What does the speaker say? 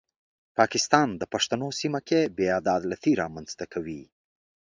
پاکستان د پښتنو سیمه کې بې عدالتي رامنځته کوي.